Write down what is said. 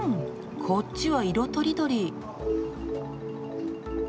こっちは色とりどり。